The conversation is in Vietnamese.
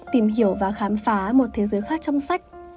tìm hiểu và khám phá một thế giới khác trong sách